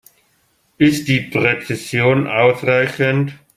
Ist die Präzision ausreichend?